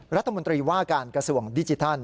รัฐมนตรีว่าการกระทรวงดิจิทัล